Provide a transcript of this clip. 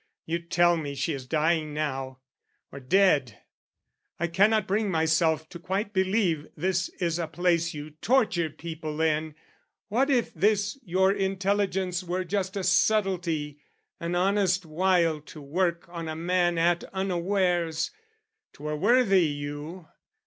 You tell me she is dying now, or dead; I cannot bring myself to quite believe This is a place you torture people in: What if this your intelligence were just A subtlety, an honest wile to work On a man at unawares? 'Twere worthy you.